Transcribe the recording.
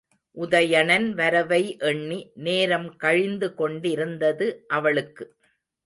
உதயணன் வரவை எண்ணி, நேரம் கழிந்து கொண்டிருந்தது அவளுக்கு.